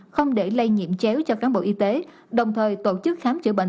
không để lây nhiễm chéo cho cán bộ y tế đồng thời tổ chức khám chữa bệnh